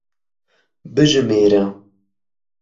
Bijimêre.